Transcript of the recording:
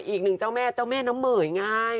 อีกหนึ่งเจ้าแม่เจ้าแม่น้ำเหม๋ยง่าย